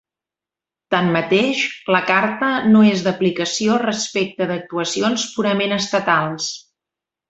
Tanmateix, la Carta no és d'aplicació respecte d'actuacions purament estatals.